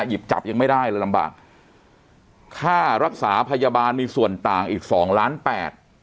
หยิบจับยังไม่ได้เลยลำบากค่ารักษาพยาบาลมีส่วนต่างอีกสองล้านแปด